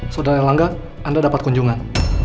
saudara erlangga anda dapat kunjungan